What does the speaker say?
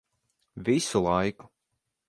Visu laiku.